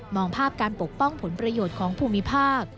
องภาพการปกป้องผลประโยชน์ของภูมิภาค